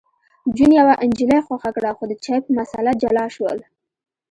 جون یوه نجلۍ خوښه کړه خو د چای په مسله جلا شول